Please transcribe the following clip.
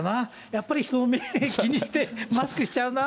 やっぱり人の目気にして、マスクしちゃうな。